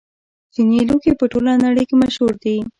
چیني لوښي په ټوله نړۍ کې مشهور دي.